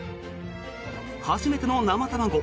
初めての生卵。